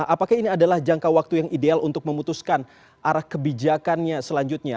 apakah ini adalah jangka waktu yang ideal untuk memutuskan arah kebijakannya selanjutnya